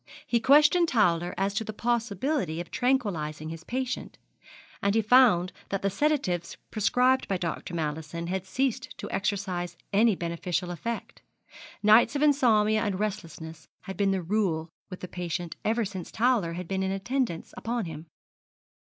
He questioned Towler as to the possibility of tranquillising his patient; and he found that the sedatives prescribed by Dr. Mallison had ceased to exercise any beneficial effect. Nights of insomnia and restlessness had been the rule with the patient ever since Towler had been in attendance upon him.